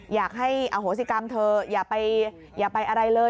อยากให้อโหสิกรรมเถอะอย่าไปอะไรเลย